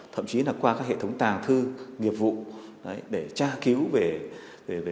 thậm chí là qua các hệ thống tàng thư nghiệp vụ để tra cứu về